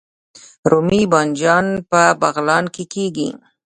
رومي بانجان په بغلان کې کیږي